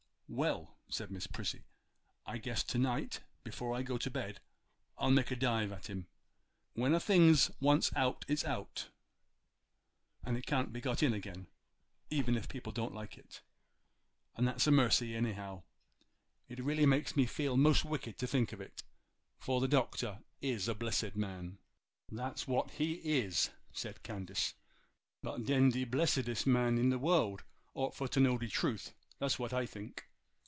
'Well,' said Miss Prissy, 'I guess to night before I go to bed I'll make a dive at him. When a thing's once out it's out, and can't be got in again, even if people don't like it, and that's a mercy anyhow. It really makes me feel most wicked to think of it, for the Doctor is the blessedest man.' 'That's what he is,' said Candace. 'But den de blessedest men in the world ought fur to know de truth, that's what I think.